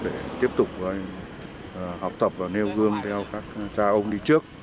để tiếp tục học tập và nêu gương theo các cha ông đi trước